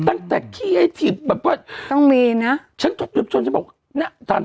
ตั้งแต่แบบก็ต้องมีน่ะฉันจบจนฉันบอกน่ะถาม